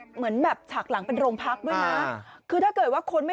เหมือนแบบฉากหลังเป็นโรงพักด้วยนะ